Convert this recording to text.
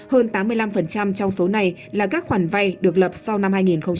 hơn tám mươi năm trong số này là các khoản vay được lập sau năm hai nghìn một mươi tám